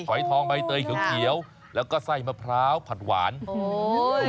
ฝอยทองใบเตยเขียวแล้วก็ใส่มะพร้าวผัดหวานโอ้โห